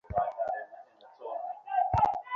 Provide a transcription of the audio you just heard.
আপনি বলেন ইয়াসমিনের সাথে কথা বলি?